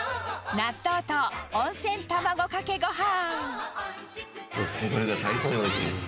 納豆と温泉卵かけごはん。